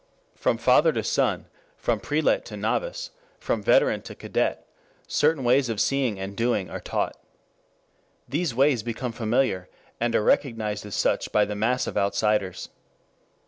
From father to son, from prelate to novice, from veteran to cadet, certain ways of seeing and doing are taught. These ways become familiar, and are recognized as such by the mass of outsiders.